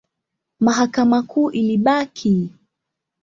Mahakama Kuu ilibaki.